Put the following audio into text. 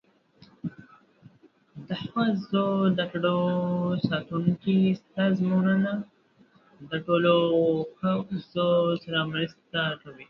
د ښځو د ګټو ساتونکي سازمانونه د ټولو ښځو سره مرسته کوي.